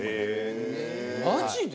マジで？